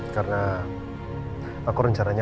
karena aku rencananya